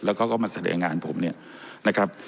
แล้วเขาก็มาเสรียงงานผมเนี่ยนะครับ